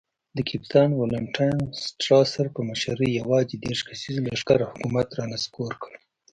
د کپټان والنټاین سټراسر په مشرۍ یوازې دېرش کسیز لښکر حکومت را نسکور کړ.